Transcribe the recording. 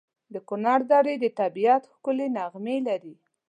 د کنړ درې د طبیعت ښکلي نغمې لري.